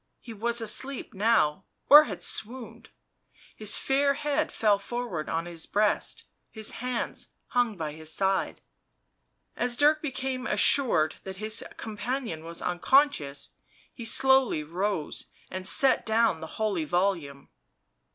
he was asleep now or had swooned ; his fair head fell forward on his breast, his hands hung by his side. As Dirk became assured that his companion was unconscious, he slowly rose and set down the holy volume.